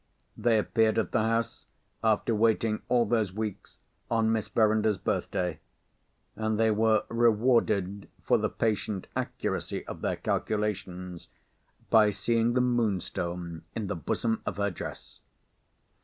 They appeared at the house, after waiting all those weeks, on Miss Verinder's birthday; and they were rewarded for the patient accuracy of their calculations by seeing the Moonstone in the bosom of her dress!